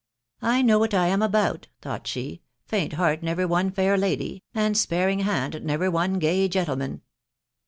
" I know what I am about," thought she ;" faint heart never won fair lady, and sparing hand never won gay gentle man."